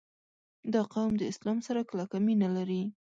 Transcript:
• دا قوم د اسلام سره کلکه مینه لري.